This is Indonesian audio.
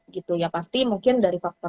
gitu ya pasti mungkin dari faktor